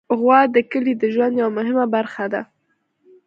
غوا د کلي د ژوند یوه مهمه برخه ده.